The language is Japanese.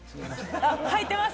履いてます